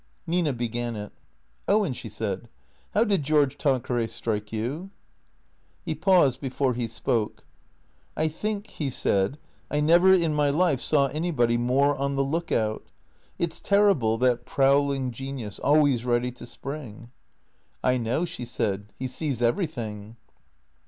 Nina began it. " Owen," she said, " how did George Tan queray strike you ?" He paused before he spoke. " I think," he said, " I never in my life saw anybody more on the look out. It 's terrible, that prowling genius, always ready to spring." " I know," she said, " he sees everything."